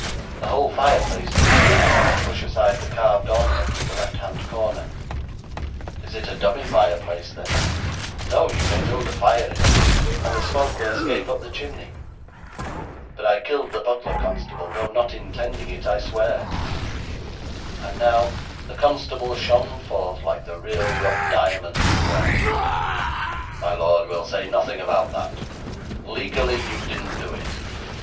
The whole fireplace moves inward if you push aside the carved ornament at the left hand corner.' 'Is it a dummy fireplace, then?' 'No, you may build a fire in it, and the smoke will escape up the chimney. But I killed the butler, constable, though not intending it, I swear.' And now the constable shone forth like the real rough diamond he was. 'My lord, we'll say nothing about that. Legally you didn't do it.